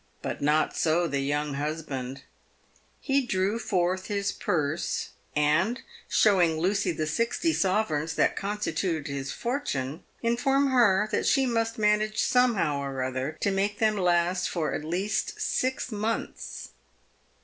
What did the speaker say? But not so the young husband. He drew forth his purse, and, show ing Lucy the sixty sovereigns that, constituted his fortune, informed her she must manage somehow or other to make them last for at least six months.